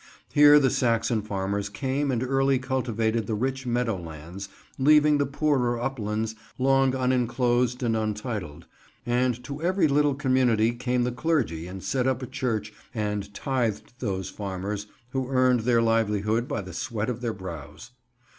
Here the Saxon farmers came and early cultivated the rich meadow lands, leaving the poorer uplands long unenclosed and untitled; and to every little community came the clergy and set up a church and tithed those farmers who earned their livelihood by the sweat of their brows.